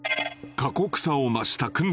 過酷さを増した訓練